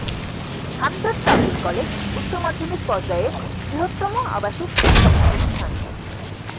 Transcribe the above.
Hamdard public college উচ্চ মাধ্যমিক পর্যায়ের বৃহত্তম আবাসিক শিক্ষা প্রতিষ্ঠান।